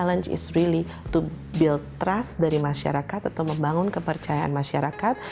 pertama perjuangan terbesar adalah membangun kepercayaan masyarakat